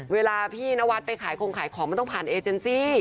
เวลาพี่นวัดไปขายคงขายของมันต้องผ่านเอเจนซี่